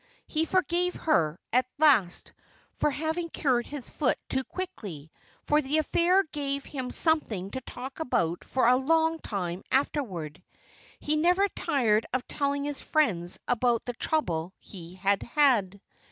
He forgave her, at last, for having cured his foot too quickly, for the affair gave him something to talk about for a long time afterward. He never tired of telling his friends about the trouble he had had.